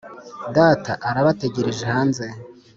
Data arabategereje hanze